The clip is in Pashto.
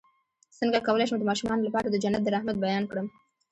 څنګه کولی شم د ماشومانو لپاره د جنت د رحمت بیان کړم